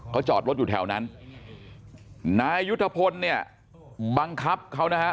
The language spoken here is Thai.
เขาจอดรถอยู่แถวนั้นนายยุทธพลเนี่ยบังคับเขานะฮะ